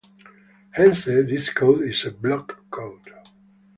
Hence this code is a block code.